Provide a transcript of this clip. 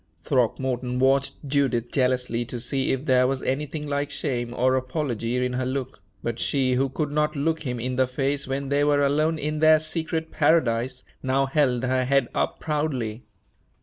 Throckmorton watched Judith jealously to see if there was anything like shame or apology in her look; but she, who could not look him in the face when they were alone in their secret paradise, now held her head up proudly.